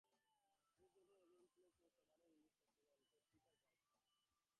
He is noted as an influence on several English composers, including Peter Warlock.